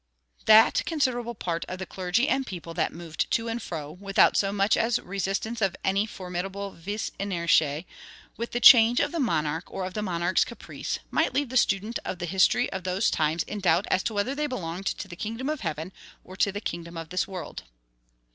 That considerable part of the clergy and people that moved to and fro, without so much as the resistance of any very formidable vis inertiæ, with the change of the monarch or of the monarch's caprice, might leave the student of the history of those times in doubt as to whether they belonged to the kingdom of heaven or to the kingdom of this world.